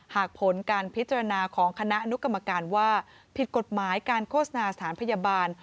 หากผลการพิจารณาของคณะอนุกรรมการว่าผิดกฎหมายการโฆษณาสถานพยาบาล